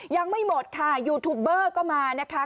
ยังไม่หมดค่ะยูทูปเบอร์ก็มานะคะ